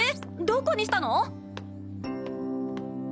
どこにしたの？